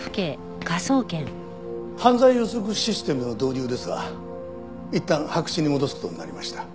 犯罪予測システムの導入ですがいったん白紙に戻す事になりました。